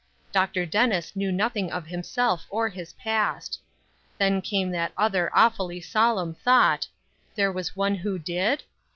Dr. Dennis knew nothing of himself or his past. Then came that other awfully solemn thought there was One who did?